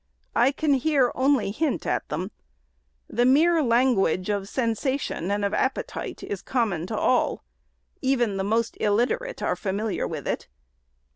I can here only hint at them, The mere language of sensation and of appetite is com mon to all. Even the most illiterate are familiar with it.